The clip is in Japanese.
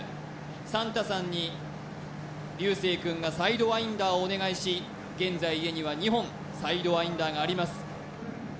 サンタさんに琉青くんがサイドワインダーをお願いし現在家には２本サイドワインダーがあります